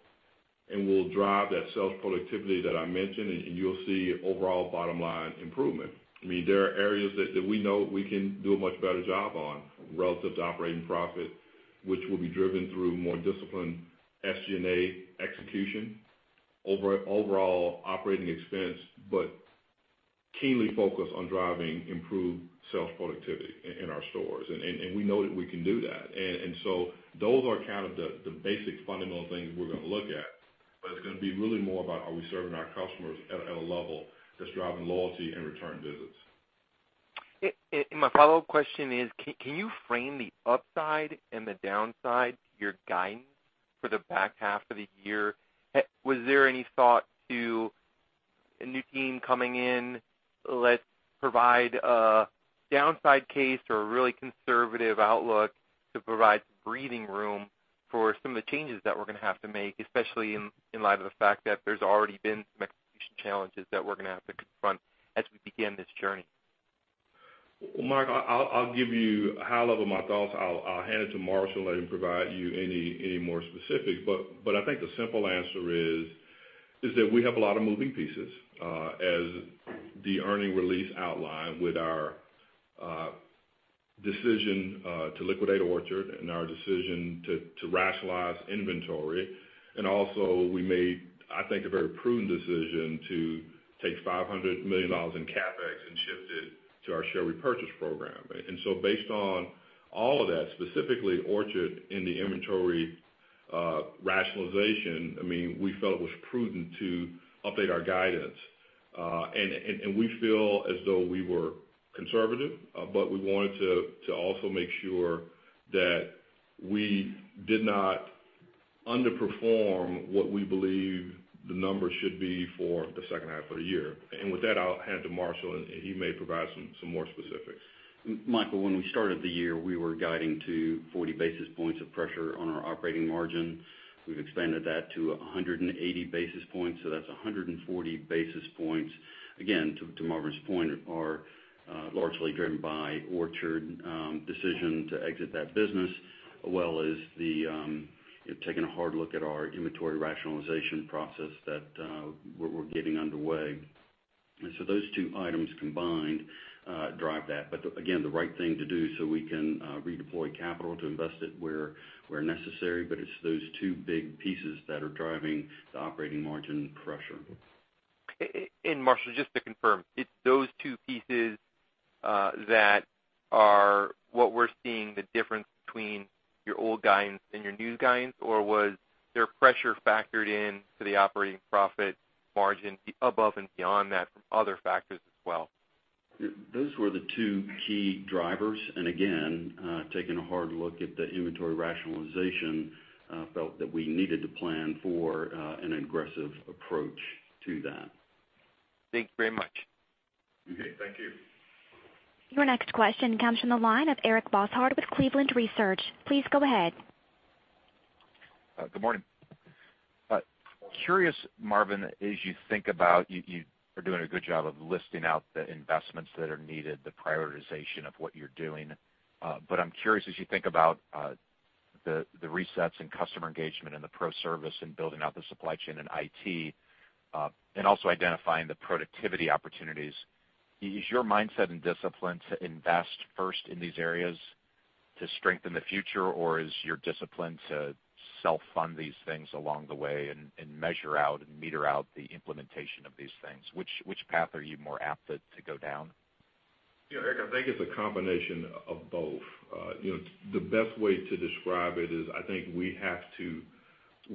and we'll drive that sales productivity that I mentioned, and you'll see overall bottom-line improvement. There are areas that we know we can do a much better job on relative to operating profit, which will be driven through more disciplined SG&A execution, overall operating expense, but keenly focused on driving improved sales productivity in our stores. We know that we can do that. Those are kind of the basic fundamental things we're going to look at. It's going to be really more about are we serving our customers at a level that's driving loyalty and return visits. My follow-up question is, can you frame the upside and the downside to your guidance for the back half of the year? Was there any thought to a new team coming in, let's provide a downside case or a really conservative outlook to provide some breathing room for some of the changes that we're going to have to make, especially in light of the fact that there's already been some execution challenges that we're going to have to confront as we begin this journey? Well, Michael, I'll give you high level my thoughts. I'll hand it to Marshall, let him provide you any more specifics. I think the simple answer is that we have a lot of moving pieces. As the earning release outlined with our decision to liquidate Orchard and our decision to rationalize inventory. Also we made, I think, a very prudent decision to take $500 million in CapEx and shift it to our share repurchase program. Based on all of that, specifically Orchard and the inventory rationalization, we felt it was prudent to update our guidance. We feel as though we were conservative. We wanted to also make sure that we did not underperform what we believe the numbers should be for the second half of the year. With that, I'll hand it to Marshall, and he may provide some more specifics. Michael, when we started the year, we were guiding to 40 basis points of pressure on our operating margin. We've expanded that to 180 basis points, so that's 140 basis points, again, to Marvin's point, are largely driven by Orchard decision to exit that business, as well as taking a hard look at our inventory rationalization process that we're getting underway. Those two items combined drive that. Again, the right thing to do so we can redeploy capital to invest it where necessary. It's those two big pieces that are driving the operating margin pressure. Marshall, just to confirm, it's those two pieces that are what we're seeing the difference between your old guidance and your new guidance, or was there pressure factored in to the operating profit margin above and beyond that from other factors as well? Those were the two key drivers. Again, taking a hard look at the inventory rationalization, felt that we needed to plan for an aggressive approach to that. Thank you very much. Okay. Thank you. Your next question comes from the line of Eric Bosshard with Cleveland Research. Please go ahead. Good morning. Curious, Marvin, as you think about you are doing a good job of listing out the investments that are needed, the prioritization of what you're doing. I'm curious, as you think about the resets in customer engagement and the pro service and building out the supply chain and IT, also identifying the productivity opportunities, is your mindset and discipline to invest first in these areas to strengthen the future or is your discipline to self-fund these things along the way and measure out and meter out the implementation of these things? Which path are you more apt to go down? Eric, I think it's a combination of both. The best way to describe it is I think we have to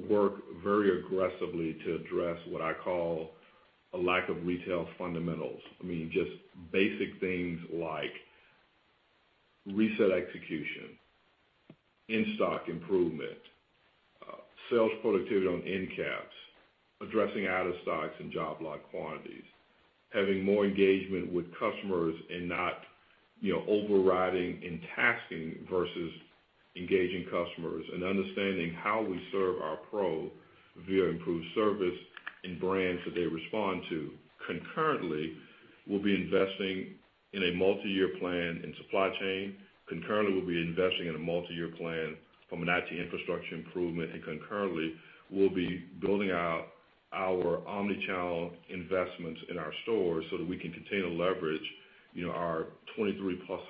work very aggressively to address what I call a lack of retail fundamentals. Just basic things like reset execution, in-stock improvement, sales productivity on end caps, addressing out-of-stocks and job lot quantities, having more engagement with customers and not overriding and taxing versus engaging customers and understanding how we serve our pro via improved service and brands that they respond to. Concurrently, we'll be investing in a multi-year plan in supply chain. Concurrently, we'll be investing in a multi-year plan from an IT infrastructure improvement. Concurrently, we'll be building out our omnichannel investments in our stores so that we can contain and leverage our 2,300-plus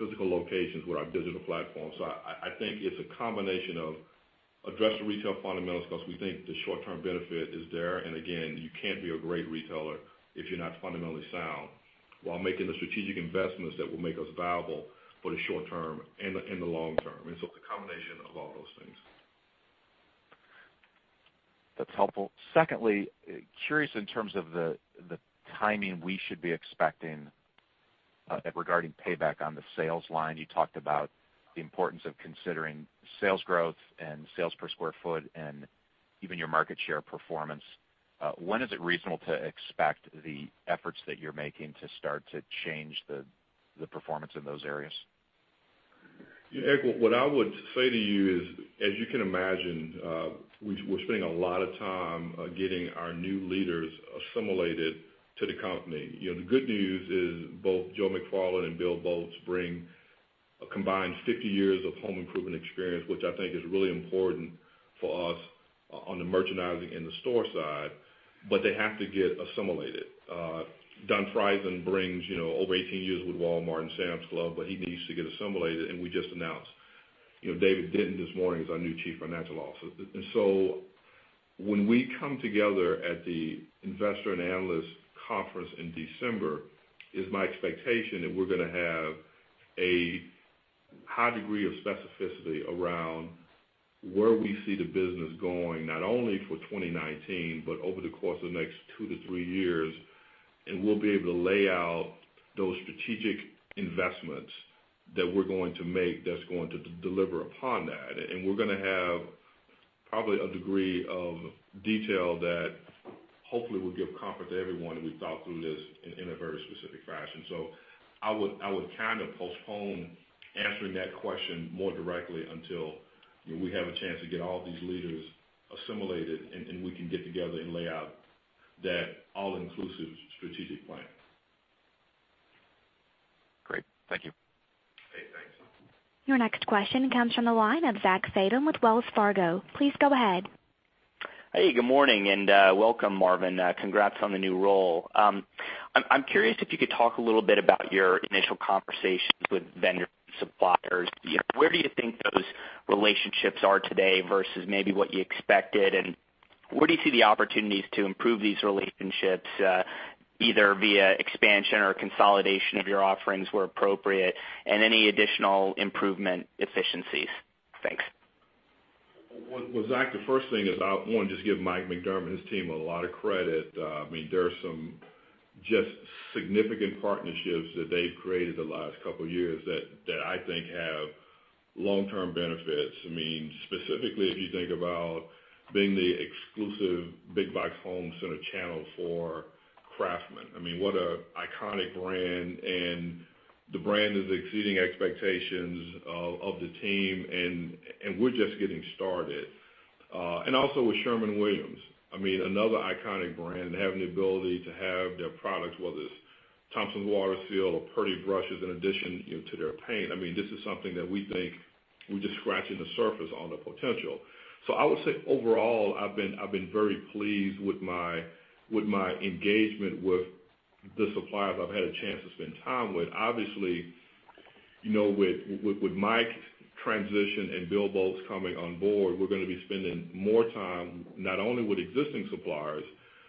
physical locations with our digital platform. I think it's a combination of address the retail fundamentals because we think the short-term benefit is there. Again, you can't be a great retailer if you're not fundamentally sound while making the strategic investments that will make us viable for the short term and the long term. It's a combination of all those things. That's helpful. Secondly, curious in terms of the timing we should be expecting regarding payback on the sales line. You talked about the importance of considering sales growth and sales per square foot and even your market share performance. When is it reasonable to expect the efforts that you're making to start to change the performance in those areas? Eric, what I would say to you is, as you can imagine, we're spending a lot of time getting our new leaders assimilated to the company. The good news is both Joe McFarland and Bill Boltz bring a combined 50 years of home improvement experience, which I think is really important for us on the merchandising and the store side, but they have to get assimilated. Don Frieson brings over 18 years with Walmart and Sam's Club, but he needs to get assimilated, and we just announced David Denton this morning as our new Chief Financial Officer. When we come together at the investor and analyst conference in December, it's my expectation that we're going to have a high degree of specificity around where we see the business going, not only for 2019, but over the course of the next two to three years. We'll be able to lay out those strategic investments that we're going to make that's going to deliver upon that. We're going to have probably a degree of detail that hopefully will give comfort to everyone that we've thought through this in a very specific fashion. I would kind of postpone answering that question more directly until we have a chance to get all these leaders assimilated, and we can get together and lay out that all-inclusive strategic plan. Great. Thank you. Okay, thanks. Your next question comes from the line of Zachary Fadem with Wells Fargo. Please go ahead. Hey, good morning and welcome, Marvin. Congrats on the new role. I'm curious if you could talk a little bit about your initial conversations with vendor suppliers. Where do you think those relationships are today versus maybe what you expected? Where do you see the opportunities to improve these relationships, either via expansion or consolidation of your offerings where appropriate, and any additional improvement efficiencies? Thanks. Well, Zach, the first thing is I want to just give Mike McDermott and his team a lot of credit. There are some just significant partnerships that they've created the last couple of years that I think have long-term benefits. Specifically, if you think about being the exclusive big box home center channel for Craftsman. What an iconic brand, and the brand is exceeding expectations of the team, and we're just getting started. Also with Sherwin-Williams, another iconic brand, and having the ability to have their products, whether it's Thompson's WaterSeal or Purdy brushes in addition to their paint. This is something that we think we're just scratching the surface on the potential. I would say overall, I've been very pleased with my engagement with the suppliers I've had a chance to spend time with. Obviously, with Mike's transition and Bill Boltz coming on board, we're going to be spending more time not only with existing suppliers,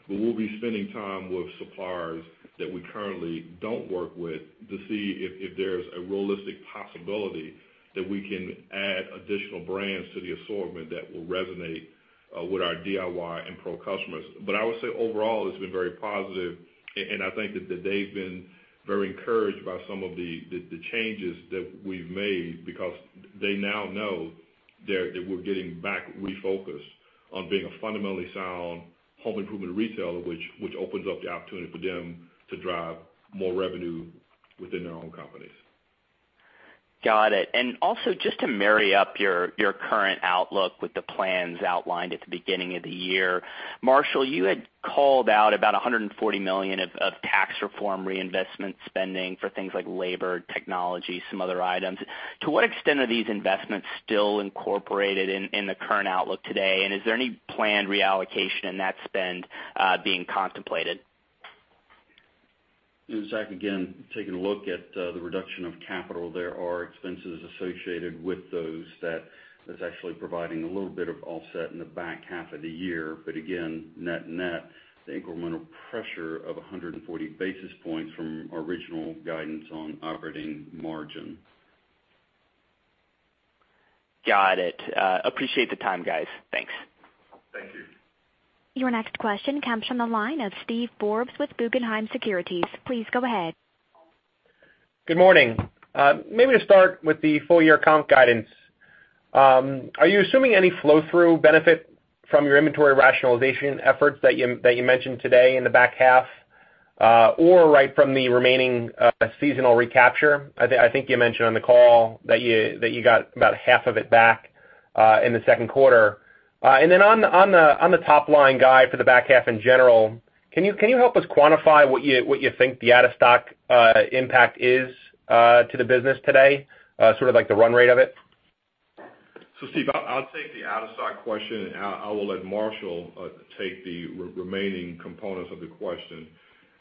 but we'll be spending time with suppliers that we currently don't work with to see if there's a realistic possibility that we can add additional brands to the assortment that will resonate with our DIY and pro customers. I would say overall, it's been very positive, and I think that they've been very encouraged by some of the changes that we've made because they now know that we're getting back refocused on being a fundamentally sound home improvement retailer. Which opens up the opportunity for them to drive more revenue within their own companies. Got it. Also, just to marry up your current outlook with the plans outlined at the beginning of the year. Marshall, you had called out about $140 million of tax reform reinvestment spending for things like labor, technology, some other items. To what extent are these investments still incorporated in the current outlook today, and is there any planned reallocation in that spend being contemplated? Zach, again, taking a look at the reduction of capital, there are expenses associated with those that's actually providing a little bit of offset in the back half of the year. Again, net net, the incremental pressure of 140 basis points from our original guidance on operating margin. Got it. Appreciate the time, guys. Thanks. Thank you. Your next question comes from the line of Steven Forbes with Guggenheim Securities. Please go ahead. Good morning. Maybe to start with the full year comp guidance. Are you assuming any flow-through benefit from your inventory rationalization efforts that you mentioned today in the back half, or right from the remaining seasonal recapture? I think you mentioned on the call that you got about half of it back in the second quarter. On the top-line guide for the back half in general, can you help us quantify what you think the out-of-stock impact is to the business today? Sort of like the run rate of it? Steve, I'll take the out-of-stock question, and I will let Marshall take the remaining components of the question.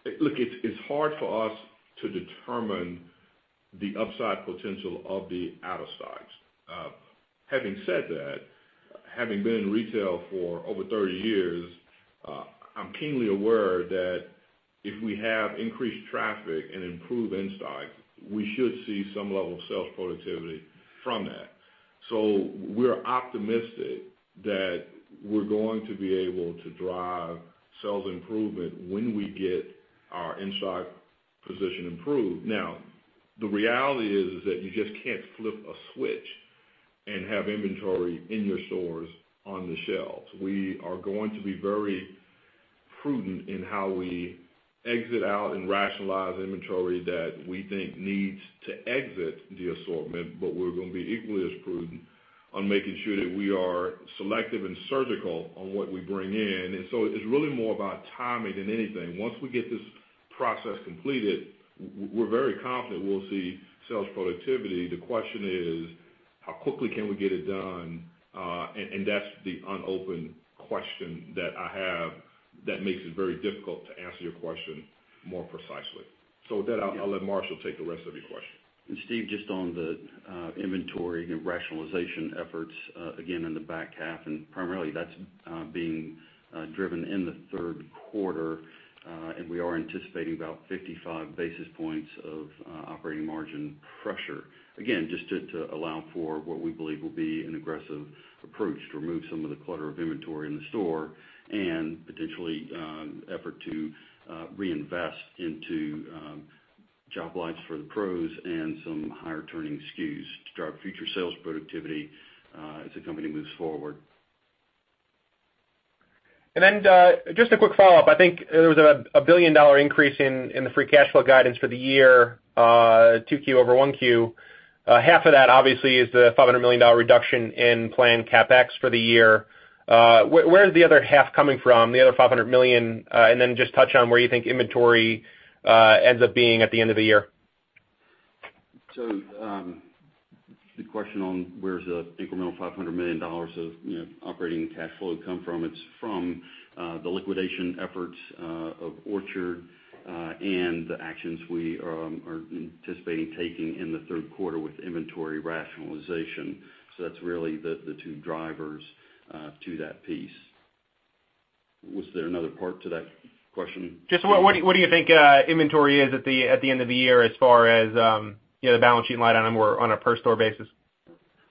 It's hard for us to determine the upside potential of the out-of-stocks. Having said that, having been in retail for over 30 years, I'm keenly aware that if we have increased traffic and improved in-stock, we should see some level of sales productivity from that. We're optimistic that we're going to be able to drive sales improvement when we get our in-stock position improved. The reality is that you just can't flip a switch. Have inventory in your stores on the shelves. We are going to be very prudent in how we exit out and rationalize inventory that we think needs to exit the assortment, but we're going to be equally as prudent on making sure that we are selective and surgical on what we bring in. It's really more about timing than anything. Once we get this process completed, we're very confident we'll see sales productivity. The question is, how quickly can we get it done? That's the an open question that I have that makes it very difficult to answer your question more precisely. With that, I'll let Marshall take the rest of your question. Steve, just on the inventory and rationalization efforts again in the back half, primarily that's being driven in the third quarter. We are anticipating about 55 basis points of operating margin pressure. Again, just to allow for what we believe will be an aggressive approach to remove some of the clutter of inventory in the store and potentially effort to reinvest into job lots for the pros and some higher turning SKUs to drive future sales productivity as the company moves forward. Just a quick follow-up. I think there was a billion-dollar increase in the free cash flow guidance for the year, 2Q over 1Q. Half of that obviously is the $500 million reduction in planned CapEx for the year. Where is the other half coming from, the other $500 million? Just touch on where you think inventory ends up being at the end of the year. The question on where's the incremental $500 million of operating cash flow come from? It's from the liquidation efforts of Orchard, and the actions we are anticipating taking in the third quarter with inventory rationalization. That's really the two drivers to that piece. Was there another part to that question? Just what do you think inventory is at the end of the year as far as the balance sheet line item or on a per store basis?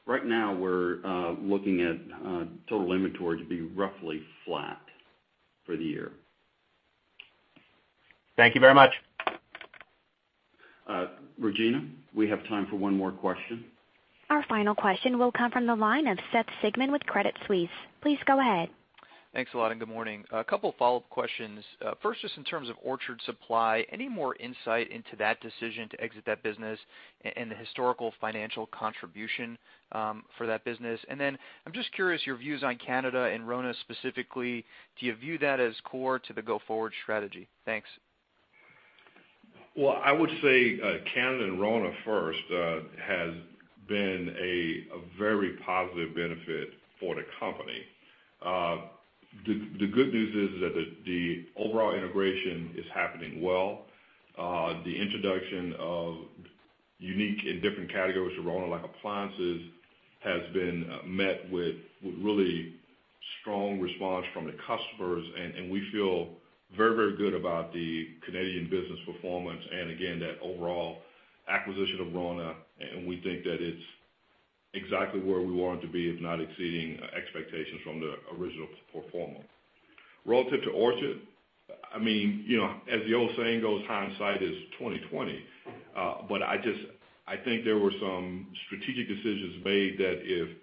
Right now, we're looking at total inventory to be roughly flat for the year. Thank you very much. Regina, we have time for one more question. Our final question will come from the line of Seth Sigman with Credit Suisse. Please go ahead. Thanks a lot. Good morning. A couple follow-up questions. First, just in terms of Orchard Supply, any more insight into that decision to exit that business and the historical financial contribution for that business? I'm just curious, your views on Canada and Rona specifically. Do you view that as core to the go-forward strategy? Thanks. Well, I would say Canada and Rona first has been a very positive benefit for the company. The good news is that the overall integration is happening well. The introduction of unique and different categories to Rona, like appliances, has been met with really strong response from the customers. We feel very, very good about the Canadian business performance, and again, that overall acquisition of Rona. We think that it's exactly where we want it to be, if not exceeding expectations from the original pro forma. Relative to Orchard, as the old saying goes, hindsight is 20/20. I think there were some strategic decisions made that if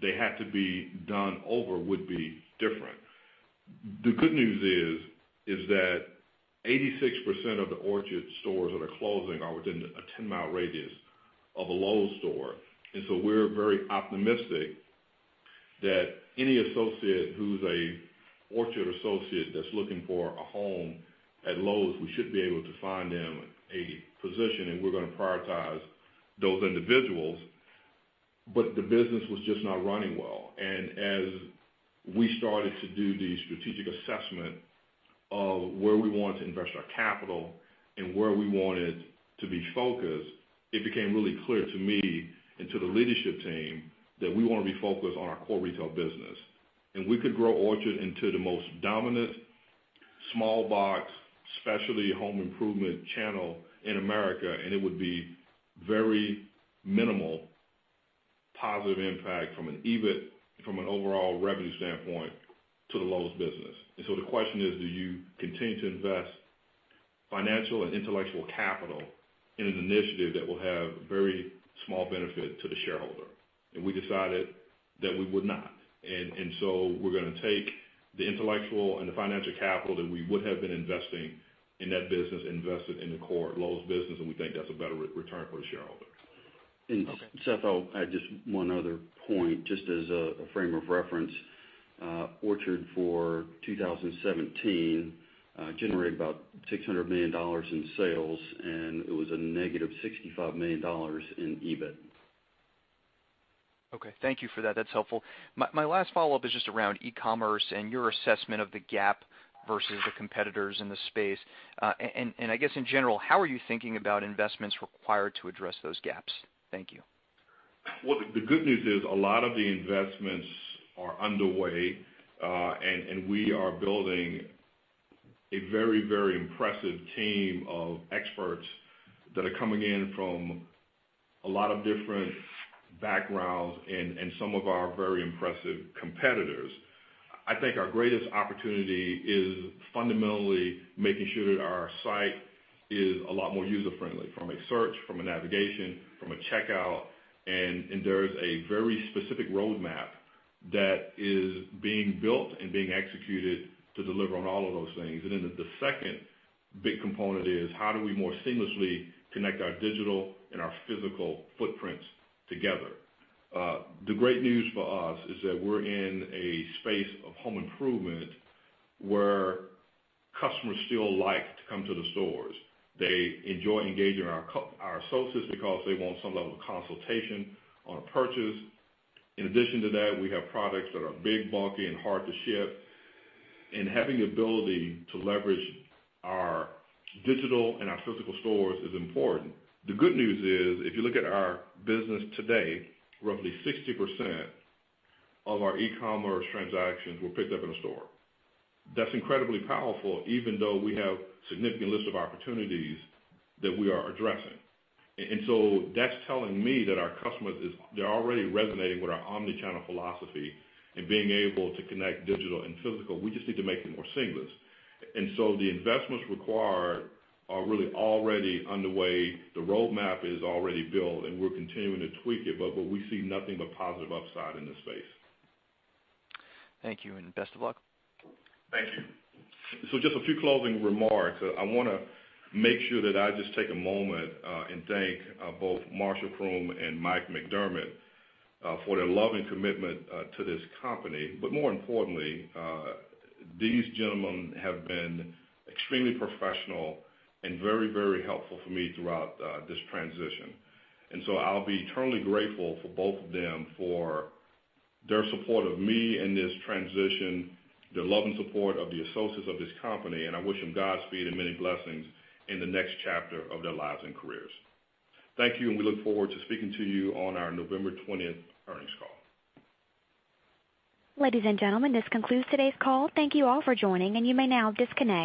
they had to be done over, would be different. The good news is that 86% of the Orchard stores that are closing are within a 10-mile radius of a Lowe's store. We're very optimistic that any associate who's an Orchard associate that's looking for a home at Lowe's, we should be able to find them a position, and we're going to prioritize those individuals. The business was just not running well. As we started to do the strategic assessment of where we wanted to invest our capital and where we wanted to be focused, it became really clear to me and to the leadership team that we want to be focused on our core retail business. We could grow Orchard into the most dominant small box, specialty home improvement channel in America, and it would be very minimal positive impact from an EBIT, from an overall revenue standpoint to the Lowe's business. The question is: do you continue to invest financial and intellectual capital in an initiative that will have very small benefit to the shareholder? We decided that we would not. We're going to take the intellectual and the financial capital that we would have been investing in that business, invest it in the core Lowe's business, and we think that's a better return for the shareholders. Seth, I'll add just one other point, just as a frame of reference. Orchard for 2017 generated about $600 million in sales, and it was a negative $65 million in EBIT. Okay, thank you for that. That's helpful. My last follow-up is just around e-commerce and your assessment of the gap versus the competitors in the space. I guess in general, how are you thinking about investments required to address those gaps? Thank you. Well, the good news is a lot of the investments are underway. We are building a very, very impressive team of experts that are coming in from a lot of different backgrounds and some of our very impressive competitors. I think our greatest opportunity is fundamentally making sure that our site is a lot more user-friendly from a search, from a navigation, from a checkout, and there's a very specific roadmap that is being built and being executed to deliver on all of those things. Then the second big component is how do we more seamlessly connect our digital and our physical footprints together? The great news for us is that we're in a space of home improvement where customers still like to come to the stores. They enjoy engaging our associates because they want some level of consultation on a purchase. In addition to that, we have products that are big, bulky, and hard to ship. Having the ability to leverage our digital and our physical stores is important. The good news is, if you look at our business today, roughly 60% of our e-commerce transactions were picked up in a store. That's incredibly powerful, even though we have significant list of opportunities that we are addressing. That's telling me that our customers, they're already resonating with our omnichannel philosophy and being able to connect digital and physical. We just need to make it more seamless. The investments required are really already underway. The roadmap is already built, and we're continuing to tweak it, but we see nothing but positive upside in this space. Thank you, and best of luck. Thank you. Just a few closing remarks. I want to make sure that I just take a moment, and thank both Marshall Croom and Mike McDermott for their love and commitment to this company. More importantly, these gentlemen have been extremely professional and very, very helpful for me throughout this transition. I'll be eternally grateful for both of them for their support of me in this transition, their love and support of the associates of this company, and I wish them Godspeed and many blessings in the next chapter of their lives and careers. Thank you, and we look forward to speaking to you on our November 20th earnings call. Ladies and gentlemen, this concludes today's call. Thank you all for joining, and you may now disconnect.